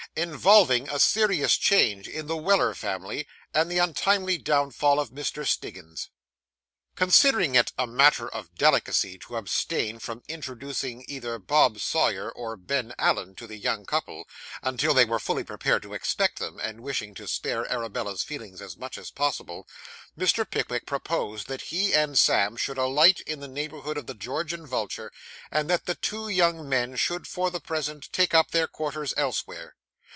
INVOLVING A SERIOUS CHANGE IN THE WELLER FAMILY, AND THE UNTIMELY DOWNFALL OF MR. STIGGINS Considering it a matter of delicacy to abstain from introducing either Bob Sawyer or Ben Allen to the young couple, until they were fully prepared to expect them, and wishing to spare Arabella's feelings as much as possible, Mr. Pickwick proposed that he and Sam should alight in the neighbourhood of the George and Vulture, and that the two young men should for the present take up their quarters elsewhere.